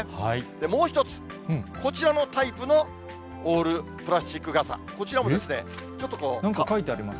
もう一つ、こちらのタイプのオールプラスチック傘、こちらもですね、ちょっなんか描いてあります。